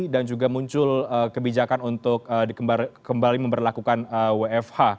dan juga muncul kebijakan untuk kembali memperlakukan wfh